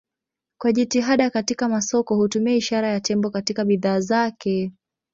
Kwa jitihada katika masoko hutumia ishara ya tembo katika bidhaa zake.